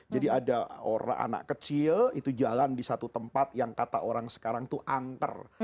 jadi ada anak kecil itu jalan di satu tempat yang kata orang sekarang itu angker